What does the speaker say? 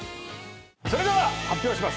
それでは発表します。